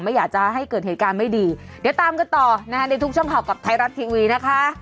ไม่อยากจะให้เกิดเหตุการณ์ไม่ดีเดี๋ยวตามกันต่อนะคะในทุกช่องข่าวกับไทยรัฐทีวีนะคะ